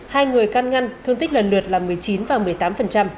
hai người căn ngăn thương tích lần lượt là một mươi chín và một mươi tám